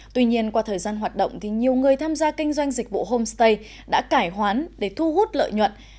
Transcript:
tuy nhiên qua thời gian hoạt động thì nhiều người tham gia kinh doanh dịch vụ homestay đã cải hoán để thu hút lợi nhuận